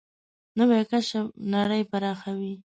نوې کشف نړۍ پراخوي